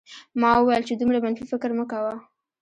ما وویل چې دومره منفي فکر مه کوه